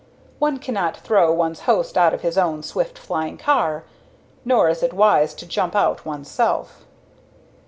One cannot throw one's host out of his own swift flying car; nor is it wise to jump out one's self.